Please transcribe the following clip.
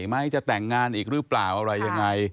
ไหมจะแต่งงานอีกหรือเปล่าอะไรยังไง